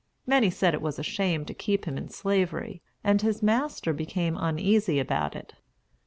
Many said it was a shame to keep him in slavery, and his master became uneasy about it.